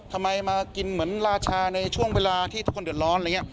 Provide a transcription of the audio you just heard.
ทำไมมากินเหมือนลาชาในช่วงเวลาที่ทุกคนเดือดร้อน